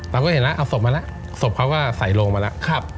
เราก็เห็นแล้วเอาศพมาแล้วศพเขาก็ใส่ลงมาแล้ว